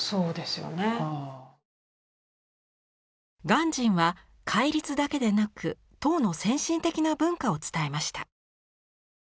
鑑真は戒律だけでなく唐の先進的な文化を伝えました。